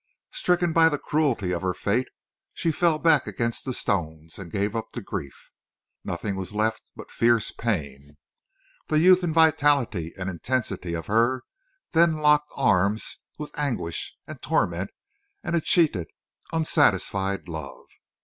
Stricken by the cruelty of her fate, she fell back against the stones and gave up to grief. Nothing was left but fierce pain. The youth and vitality and intensity of her then locked arms with anguish and torment and a cheated, unsatisfied love.